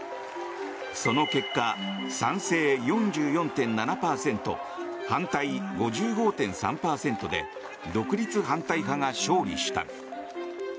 その結果、賛成４４．７％反対５５．３％で独立反対派が勝利した。